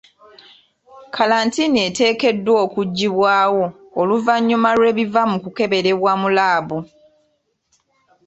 Kalantiini eteekeddwa okuggibwawo oluvannyuma lw'ebiva mu kukeberebwa mu laabu.